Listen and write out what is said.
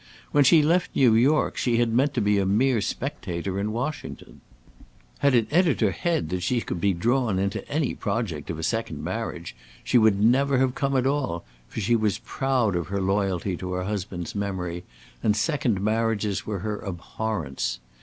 When she left New York, she had meant to be a mere spectator in Washington. Had it entered her head that she could be drawn into any project of a second marriage, she never would have come at all, for she was proud of her loyalty to her husband's memory, and second marriages were her abhorrence.